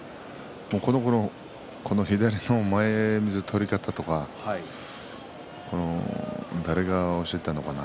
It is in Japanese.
この左の前みつの取り方とか誰が教えたのかな？